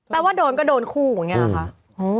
แปลว่าโดนก็โดนคู่อย่างนี้หรือเปล่าคะ